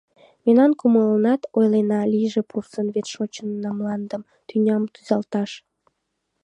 Мемнан кумылнат, ойлена, лийже порсын, Вет шочынна мландым, тӱням тӱзаташ.